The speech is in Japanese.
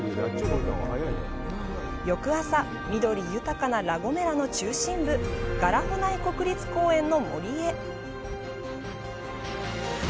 翌朝、緑豊かなラ・ゴメラの中心部、ガラホナイ国立公園の森へ。